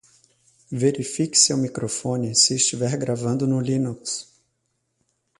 Verifique seu microfone se estiver gravando no Linux